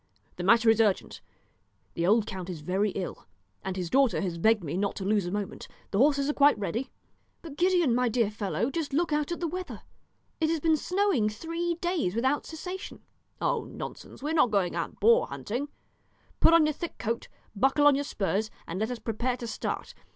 The matter is urgent; the old count is very ill, and his daughter has begged me not to lose a moment. The horses are quite ready." "But, Gideon, my dear fellow, just look out at the weather; it has been snowing three days without cessation." "Oh, nonsense; we are not going out boar hunting; put on your thick coat, buckle on your spurs, and let us prepare to start.